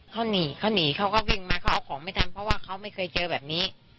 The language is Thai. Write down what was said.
เขาหนีเขาหนีเขาก็วิ่งมาเขาเอาของไม่ทันเพราะว่าเขาไม่เคยเจอแบบนี้